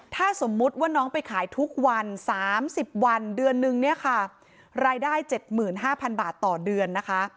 ถ้าสมมติว่าน้องไปขายทุกวันสามสิบวันเดือนหนึ่งเนี้ยค่ะรายได้เจ็ดหมื่นห้าพันบาทต่อเดือนนะคะ